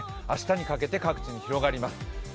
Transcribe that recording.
明日にかけて各地に広がります。